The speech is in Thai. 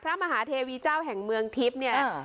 พระมหาเทวีเจ้าแห่งเมืองทิพย์เนี่ย